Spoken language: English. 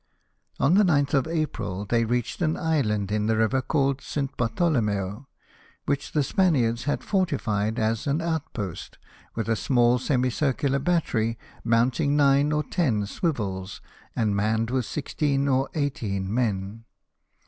On the 9th of April they reached an island in the river called St. Bartolomeo, which the Spaniards had fortified as an outpost, with a small semicircular battery, mounting nine or ten swivels, and manned with sixteen or eighteen men.